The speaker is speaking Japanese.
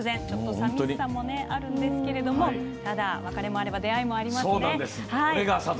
ちょっとさみしさもあるんですけれどただ、別れもあれば出会いもありますね。